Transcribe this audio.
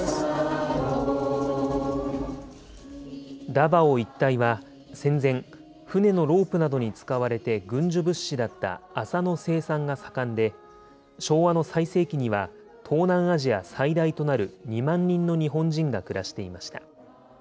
ダバオ一帯は戦前、船のロープなどに使われて軍需物資だった麻の生産が盛んで、昭和の最盛期には、東南アジア最大となる２万人の日本人が暮らしていました。